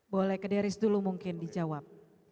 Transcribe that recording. boleh ke deris dulu mungkin dijawab